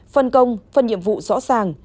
phần công phần nhiệm vụ rõ ràng